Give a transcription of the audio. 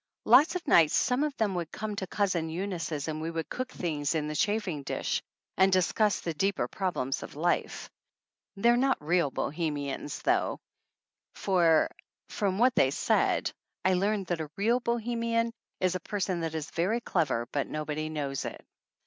Lots of nights some of them would come to Cousin Eunice's and we would cook things in the chafing dish and "discuss the deeper problems of life." They are not real Bohemians though, for, from what they said, I learned that a real Bohemian is a person that is very clever, but nobody knows it.